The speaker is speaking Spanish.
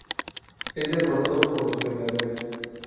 Es derrotado por los Vengadores.